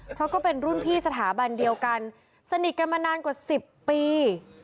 เพราะก็เป็นรุ่นพี่สถาบันเดียวกันสนิทกันมานานกว่า๑๐ปี